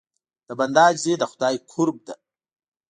د بنده عاجزي د خدای قرب ده.